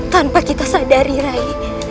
tanpa kita sadari rai